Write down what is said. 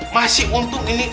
masih untung ini